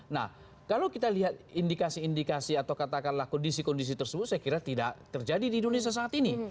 nah kalau kita lihat indikasi indikasi atau katakanlah kondisi kondisi tersebut saya kira tidak terjadi di indonesia saat ini